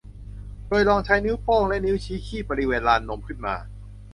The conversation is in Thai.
โดยลองใช้นิ้วโป้งและนิ้วชี้คีบบริเวณลานนมขึ้นมา